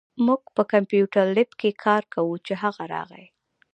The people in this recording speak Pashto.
مونږ په کمپیوټر لېب کې کار کوو، چې هغه راغی